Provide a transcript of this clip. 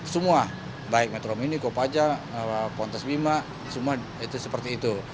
semua baik metro mini kopaja pontes bima semua itu seperti itu